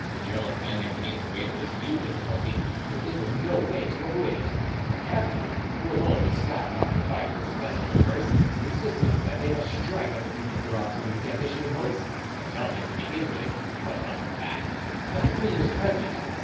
Joan, bending beneath the weight of this new difficulty, could think of no way to avoid it; but Catherine, who alone was stout enough to fight this nephew of hers, insisted that they must strike at the Duke of Durazzo in his ambition and hopes, and tell him, to begin with—what was the fact—that the queen was pregnant.